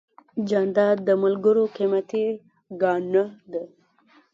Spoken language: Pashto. جانداد د ملګرو قیمتي ګاڼه ده.